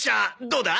どうだ？